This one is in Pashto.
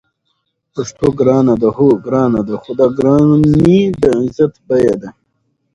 پښتو ګرانه ده؟ هو، ګرانه ده؛ خو دا ګرانی د عزت بیه ده